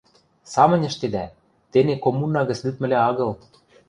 — Самынь ӹштедӓ, тене коммуна гӹц лӱдмӹлӓ агыл...